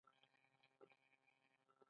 د پیسو ساتنه مهمه ده.